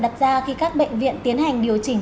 đặt ra khi các bệnh viện tiến hành điều chỉnh